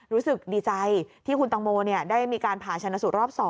รู้สึกดีใจที่คุณตังโมได้มีการผ่าชนะสูตรรอบ๒